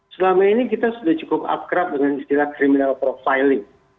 selama ini kita sudah cukup akrab dengan istilah criminal profiling